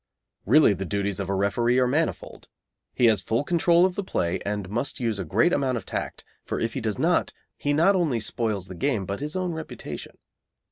Really the duties of a referee are manifold. He has full control of the play, and must use a great amount of tact, for if he does not, he not only spoils the game but his own reputation.